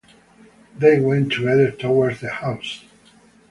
They went together towards the house.